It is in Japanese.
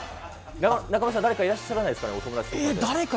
中丸さん、誰かいらっしゃらないですかね、お友達とか。